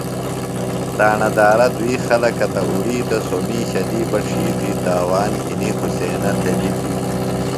تاݨہ دارہ دُوئی خلکہ تہ اُڑیتہ سوۡ مِیشہ دی بہ ڇِھیتری تاوان گِھنیۡ حُسینہ تھےۡ دِتیۡ۔